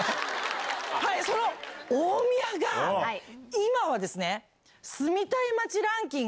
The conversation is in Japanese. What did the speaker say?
その大宮が今はですね。